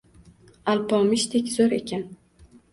Alpomishdek zo‘r ekan.